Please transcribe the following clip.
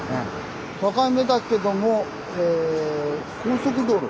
境目だけどもえ高速道路